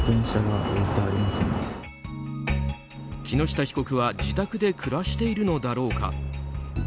木下被告は自宅で暮らしているのだろうか。